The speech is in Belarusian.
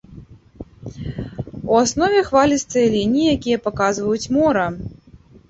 У аснове хвалістыя лініі, якія паказваюць мора.